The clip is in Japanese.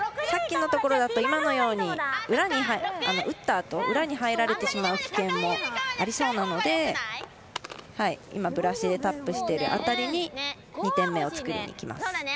さっきのところだと今のように打ったあと裏に入られてしまう危険もありそうなのでブラシでタップしている辺りに２点目を作りにいきます。